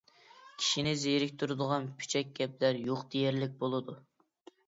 كىشىنى زېرىكتۈرىدىغان پۈچەك گەپلەر يوق دېيەرلىك بولىدۇ.